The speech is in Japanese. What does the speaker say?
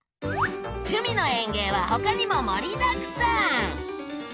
「趣味の園芸」はほかにも盛りだくさん！